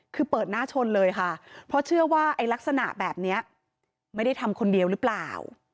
คือเปิดหน้าชนเลยค่ะเพราะเชื่อว่าไอ้ลักษณะแบบนี้ไม่ได้ทำคนเดียวหรือเปล่า